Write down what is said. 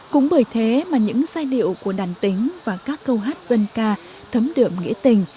cũng bởi thế mà những giai điệu của đàn tính và các câu hát dân ca thấm đượm nghĩa tình